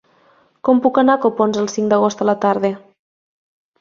Com puc anar a Copons el cinc d'agost a la tarda?